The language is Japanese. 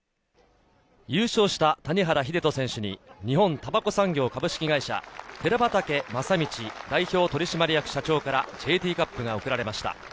優勝した谷原秀人選手に日本たばこ産業株式会社・寺畠正道代表取締役社長からＪＴカップが贈られました。